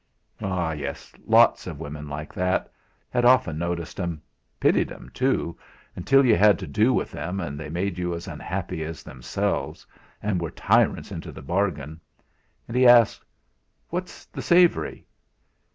Ah! yes, lots of women like that had often noticed '.m pitied 'em too, until you had to do with them and they made you as unhappy as themselves, and were tyrants into the bargain. And he asked: "What's the savoury?"